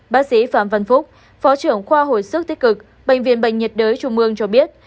bác sĩ phạm văn phúc phó trưởng khoa hồi sức tích cực bệnh viện bệnh nhiệt đới trung ương cho biết